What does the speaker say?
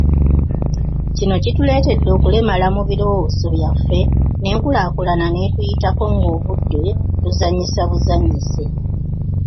Kino kituleetedde okulemala mu birowoozo byaffe nenkulaakulana netuyitako ng’obudde tuzannyisa buzannyise.